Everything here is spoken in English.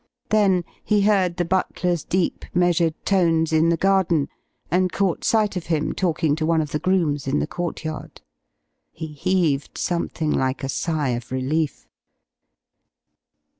Then he heard the butler's deep, measured tones in the garden, and caught sight of him talking to one of the grooms in the courtyard. He heaved something like a sigh of relief.